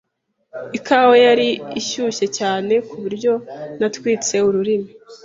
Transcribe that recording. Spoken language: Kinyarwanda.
Ikawa yari ishyushye cyane kuburyo natwitse ururimi.